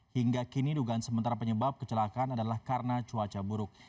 hingga kini dugaan sementara penyebab kecelakaan adalah karena cuaca buruk